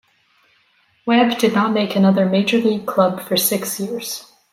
Webb did not make another major league club for six years.